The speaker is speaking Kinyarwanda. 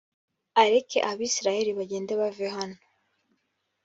areke abisirayeli bagende bave hano